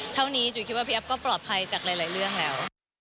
เท่านี้จุ๋ยคิดว่าพี่แอฟก็ปลอดภัยจากหลายเรื่องแล้ว